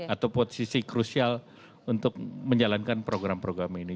atau posisi krusial untuk menjalankan program program ini